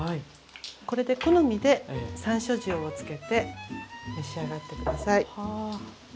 これで好みでさんしょう塩を付けて召し上がって下さい。